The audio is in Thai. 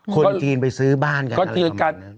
คนจีนไปซื้อบ้านกัน